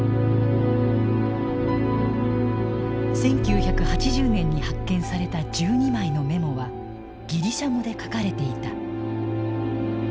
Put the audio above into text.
１９８０年に発見された１２枚のメモはギリシャ語で書かれていた。